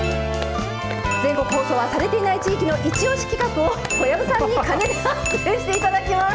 全国放送はされていない地域の一押し企画を小籔さんに判定していただきます。